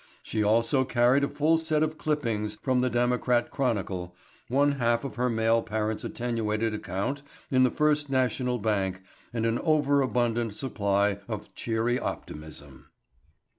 She also carried a full set of clippings from the Democrat Chronicle, one half of her male parent's attenuated account in the First National Bank and an over abundant supply of cheery optimism.